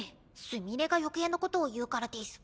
すみれが余計なことを言うからデス。